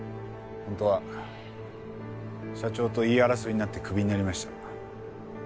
本当は社長と言い争いになってクビになりました。